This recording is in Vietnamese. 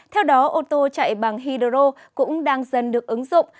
theo đó ô tô chạy bằng hydro cũng đang dần được ứng dụng